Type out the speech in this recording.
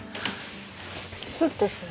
スッとする。